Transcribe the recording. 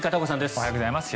おはようございます。